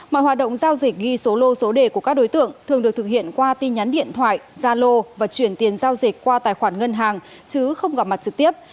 mọi hoạt động giao dịch ghi số lô số đề của các đối tượng thường được thực hiện qua tin nhắn điện thoại gia lô và chuyển tiền giao dịch qua tài khoản ngân hàng chứ không gặp mặt trực tiếp